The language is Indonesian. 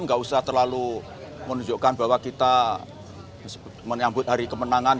nggak usah terlalu menunjukkan bahwa kita menyambut hari kemenangan